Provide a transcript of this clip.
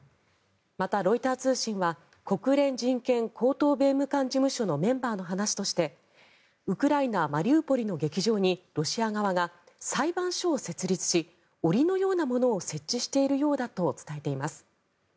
また、ロイター通信は国連人権高等弁務官事務所のメンバーの話としてウクライナ・マリウポリの劇場にロシア側が裁判所を設立し檻のようなものを設置しているようだと伝えています。